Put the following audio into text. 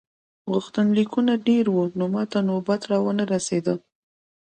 غوښتنلیکونه ډېر وو نو ماته نوبت را ونه رسیده.